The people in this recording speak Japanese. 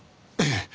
ええ。